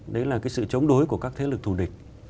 đấy là cái sự chống đối của các thế lực thù địch